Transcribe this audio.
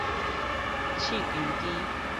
刺球豬